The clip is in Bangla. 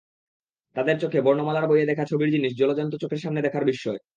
তাদের চোখে বর্ণমালার বইয়ে দেখা ছবির জিনিস জলজ্যান্ত চোখের সামনে দেখার বিস্ময়।